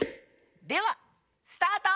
ではスタート！